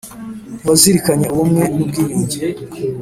ntiwazirikanye ubumwe nu bwiyunge